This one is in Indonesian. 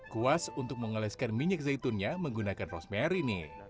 kuas untuk mengoleskan minyak zaitunnya menggunakan rosemary nih